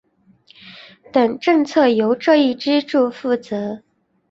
等政策由这一支柱负责。